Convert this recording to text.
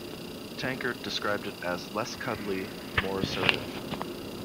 Tankard described it as less cuddly, more assertive.